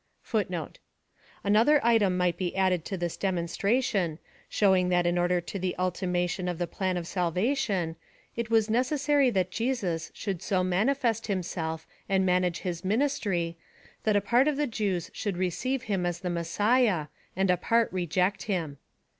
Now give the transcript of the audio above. Another item might be added to this demonstration, showing that in order to the ultimation of the Plan of Salvation, it was ;= 1 necessary that Jesus should so manifest himself and manage his ] ministry, that a part of the Jews should receive him as the Mes Eisii, and a part reject him.